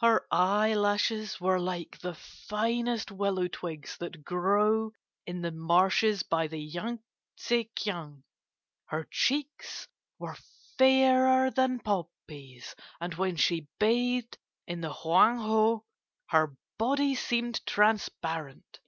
Her eyelashes were like the finest willow twigs that grow in the marshes by the Yang tse Kiang; her cheeks were fairer than poppies; and when she bathed in the Hoang Ho, her body seemed transparent.